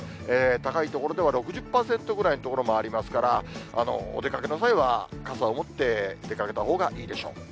高い所では６０％ぐらいの所もありますから、お出かけの際は、傘を持って出かけたほうがいいでしょう。